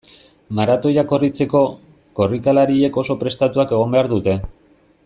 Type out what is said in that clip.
Maratoia korritzeko, korrikalariek oso prestatuak egon behar dute.